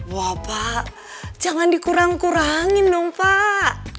wah pak jangan dikurang kurangin dong pak